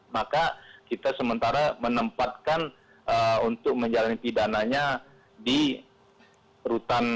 maka kita sementara menempatkan untuk menjalani pidananya di rutan